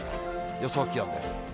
予想気温です。